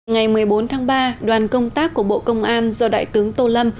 ngày một mươi bốn tháng ba đoàn công tác của bộ công an do đại tướng tô lâm